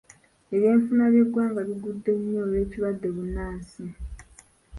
Ebyenfuna by'eggwanga bigudde nnyo olw'ekirwadde bunnansi.